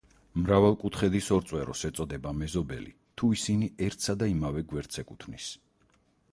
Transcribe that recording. მრავალკუთხედის ორ წვეროს ეწოდება მეზობელი, თუ ისინი ერთსა და იმავე გვერდს ეკუთვნის.